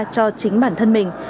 cho chính bản thân mình